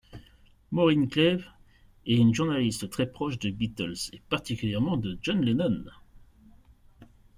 Maureen Cleave est une journaliste très proche des Beatles, et particulièrement de John Lennon.